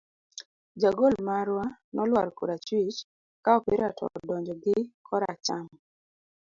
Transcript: Jagol marwa nolwar korachwich, ka opira to odonjo gi koracham.